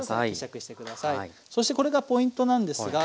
そしてこれがポイントなんですが。